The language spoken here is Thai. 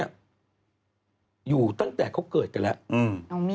อยู่ตั้งแต่เขาเกิดกันแล้ว